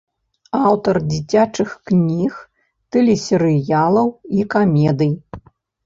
Аўтар дзіцячых кніг, тэлесерыялаў і камедый.